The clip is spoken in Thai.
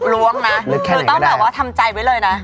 ล้วงนะคือต้องแบบว่าทำใจไว้เลยนะ